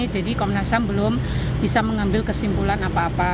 jadi komnas ham belum bisa mengambil kesimpulan apa apa